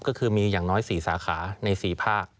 ก็คือมีอย่างน้อย๔สาขาใน๔ภาค